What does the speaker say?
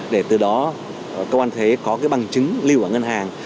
để từ đó cơ quan thuế có cái bằng chứng lưu ở ngân hàng